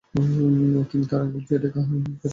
আমরা আঙ্গুল চেটে খেতাম, স্কেটিং করতাম?